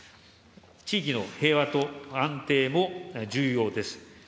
地域の平和と安定も重要です。